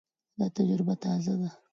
دا تجربه تازه ده.